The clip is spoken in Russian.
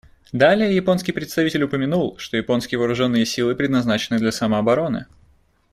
Далее японский представитель упомянул, что японские вооруженные силы предназначены для самообороны.